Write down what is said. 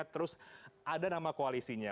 terus ada nama koalisinya